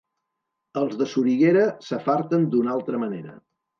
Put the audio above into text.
Els de Soriguera s'afarten d'una altra manera.